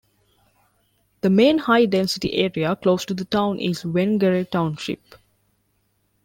The main high density area close to the town is "Vengere" township.